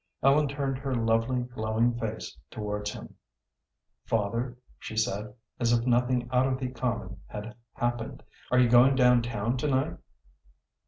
Ellen turned her lovely, glowing face towards him. "Father," she said, as if nothing out of the common had happened, "are you going down town to night?"